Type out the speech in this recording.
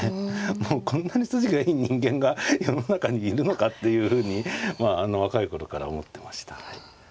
もうこんなに筋がいい人間が世の中にいるのかっていうふうにまああの若い頃から思ってましたね。